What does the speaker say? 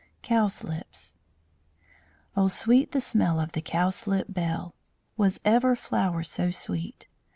COWSLIPS O sweet the smell of the cowslip bell! Was ever flower so sweet?